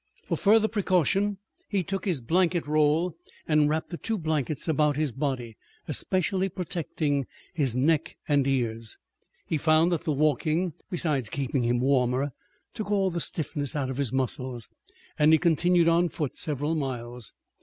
For further precaution he took his blanket roll and wrapped the two blankets about his body, especially protecting his neck and ears. He found that the walking, besides keeping him warmer, took all the stiffness out of his muscles, and he continued on foot several miles.